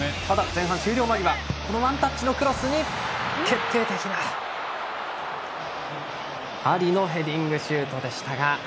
前半終了間際ワンタッチのクロスに決定的なアリのヘディングシュートでしたが。